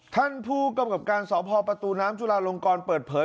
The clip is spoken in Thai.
ท่านผู้กรรมกรรมการสอบพอประตูน้ำจุฬาลงกรเปิดเผย